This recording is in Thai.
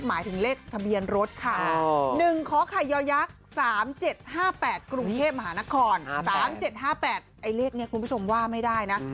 ไอ้เลขเนี่ยคุณผู้ชมว่าไม่ได้นะ